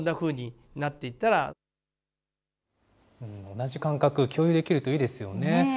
同じ感覚、共有できるといいですよね。